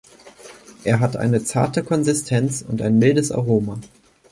Er hat eine zarte Konsistenz und ein mildes Aroma.